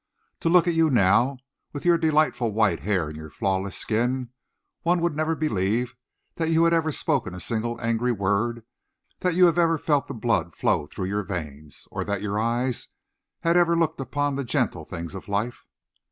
To look at you now, with your delightful white hair and your flawless skin, one would never believe that you had ever spoken a single angry word, that you had ever felt the blood flow through your veins, or that your eyes had ever looked upon the gentle things of life."